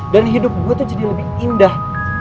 dan hidup gua tuh jadi lebih indah